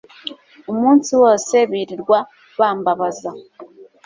Umunsi wose birirwa bambabaza